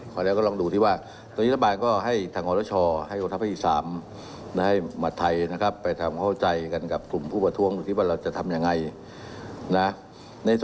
พอแล้วก็ลองดูที่ว่าตอนนี้ท่านบ้านก็ให้ทางอรชช่อให้อุทธัพที่๓ให้มัตถัยนะครับ